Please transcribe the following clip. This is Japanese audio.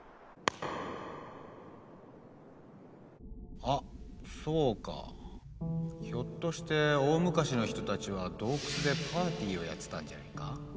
あっそうかひょっとして大昔の人たちは洞窟でパーティーをやってたんじゃないか？